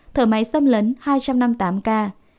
thở máy xâm lấn hai trăm năm mươi tám ca